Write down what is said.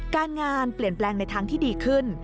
การงานเปลี่ยนแปลงในทางที่ดีขึ้น